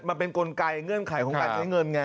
มันเป็นกลไกเงื่อนไขของการใช้เงินไง